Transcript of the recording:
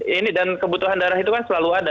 ini dan kebutuhan darah itu kan selalu ada